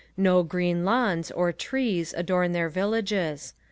No green lawns or trees adorn their villages.